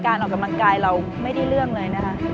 ออกกำลังกายเราไม่ได้เรื่องเลยนะคะ